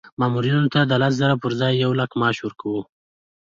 مامورینو ته د لس زره پر ځای یو لک معاش ورکوو.